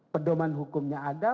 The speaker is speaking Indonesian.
pedoman hukumnya ada